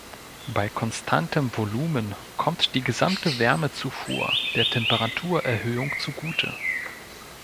Bei konstantem Volumen kommt die gesamte Wärmezufuhr der Temperaturerhöhung zugute.